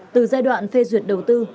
từ giai đoạn phê duyệt đầu tư